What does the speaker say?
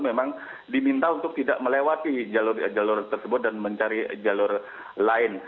memang diminta untuk tidak melewati jalur jalur tersebut dan mencari jalur lain